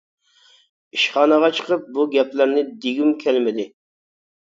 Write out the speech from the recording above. ئىشخانىغا چىقىپ بۇ گەپلەرنى دېگۈم كەلمىدى.